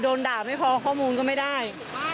โดนด่าไม่พอข้อมูลก็ไม่ได้